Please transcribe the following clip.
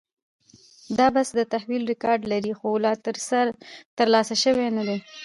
دا بسته د تحویل ریکارډ لري، خو لا ترلاسه شوې نه ده.